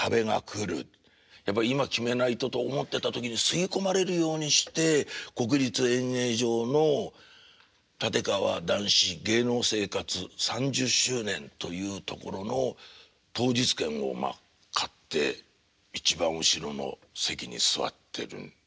やっぱ今決めないとと思ってた時に吸い込まれるようにして国立演芸場の立川談志芸能生活３０周年というところの当日券をまあ買って一番後ろの席に座ってるんですよ。